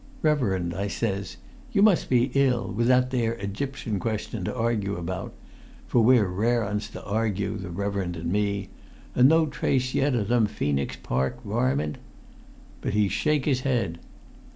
'Reverend,' I says, 'you must be ill—with that there Egyptian Question to argue about'—for we're rare 'uns to argue, the reverend and me—'and no trace yet o' them Phœnix Park varmin!' But he shake his head.